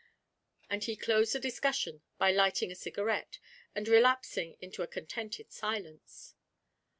And he closed the discussion by lighting a cigarette, and relapsing into a contented silence.